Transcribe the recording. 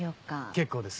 結構です。